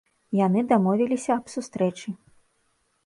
Яны дамовіліся аб сустрэчы.